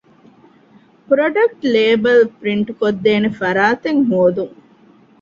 ޕްރޮޑަކްޓް ލޭބަލް ޕްރިންޓްކޮށްދޭނެ ފަރާތެއް ހޯދުން